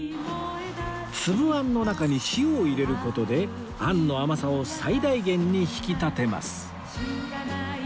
粒あんの中に塩を入れる事であんの甘さを最大限に引き立てます